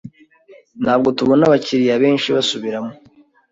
Ntabwo tubona abakiriya benshi basubiramo.